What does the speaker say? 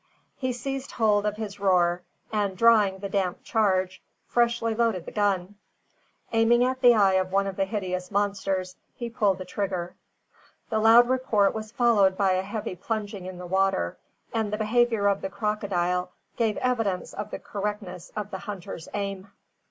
He seized hold of his roer, and, drawing the damp charge, freshly loaded the gun. Aiming at the eye of one of the hideous monsters, he pulled trigger. The loud report was followed by a heavy plunging in the water, and the behaviour of the crocodile gave evidence of the correctness of the hunter's aim.